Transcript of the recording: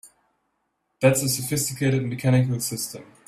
That's a sophisticated mechanical system!